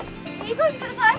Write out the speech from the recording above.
急いでください！